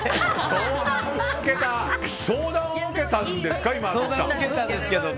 相談を受けたんですけどね。